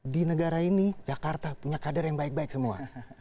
di negara ini jakarta punya kader yang baik baik semua